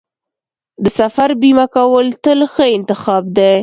د سفر بیمه کول تل ښه انتخاب دی.